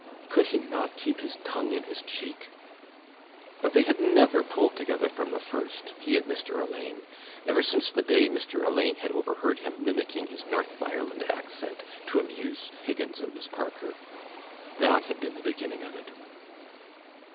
Could he not keep his tongue in his cheek? But they had never pulled together from the first, he and Mr Alleyne, ever since the day Mr Alleyne had overheard him mimicking his North of Ireland accent to amuse Higgins and Miss Parker: that had been the beginning of it.